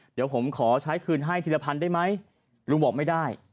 เดี๋ยวผมขอใช้คืนให้ทีละพันได้ไหมลุงบอกไม่ได้